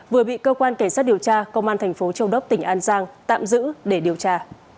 vừa bị cơ quan cảnh sát điều tra công an thành phố châu đốc tỉnh an giang tạm giữ để điều tra